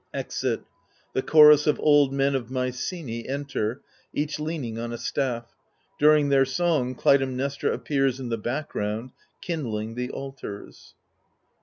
\Exit, The chorus of old men of Mycenae enter ^ each leaning on a staff. During their sang Clytemnestra appears in the background^ kindling the altars.